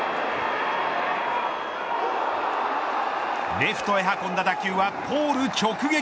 レフトへ運んだ打球はポール直撃。